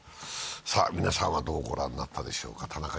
皆さんは、どう御覧になったでしょうか？